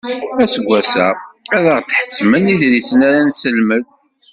Aseggas-a ad aɣ-d-ḥettmen iḍrisen ara nesselmed.